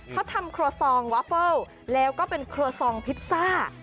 เขาทำครัวซองวาเฟิลแล้วก็เป็นครัวซองพิซซ่า